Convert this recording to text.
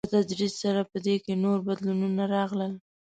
په تدريج سره په کې نور بدلونونه راغلل.